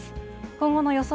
今後の予想